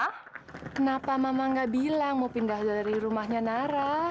ah kenapa mama gak bilang mau pindah dari rumahnya nara